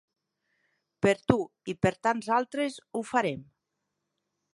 Per tu, i per tants altres ho farem.